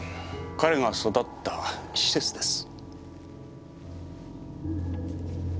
彼が育った施設です。